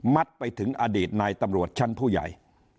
ไปถึงอดีตนายตำรวจชั้นผู้ใหญ่